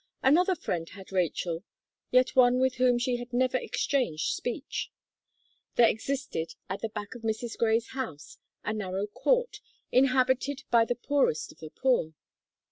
Another friend had Rachel, yet one with whom she had never exchanged speech. There existed, at the back of Mrs. Gray's house, a narrow court, inhabited by the poorest of the poor.